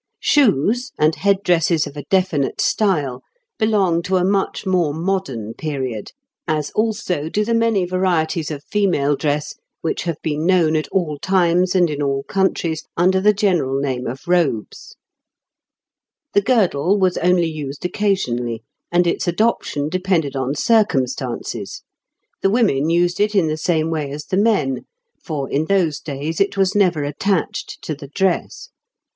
Shoes, and head dresses of a definite style, belong to a much more modern period, as also do the many varieties of female dress, which have been known at all times and in all countries under the general name of robes. The girdle was only used occasionally, and its adoption depended on circumstances; the women used it in the same way as the men, for in those days it was never attached to the dress.